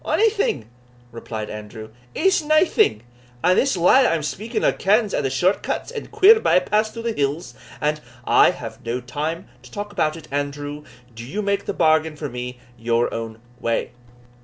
"Onything," replied Andrew, "is naething; and this lad that I am speaking o' kens a' the short cuts and queer by paths through the hills, and" "I have no time to talk about it, Andrew; do you make the bargain for me your own way."